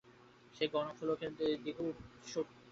সেই গণনাফলের দিকে উৎসুকচিত্তে সে তাকিয়ে রইল।